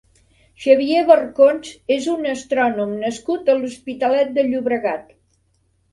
Xavier Barcons és un astrònom nascut a l'Hospitalet de Llobregat.